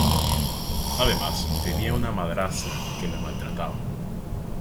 Además tenía una madrastra que la maltrataba.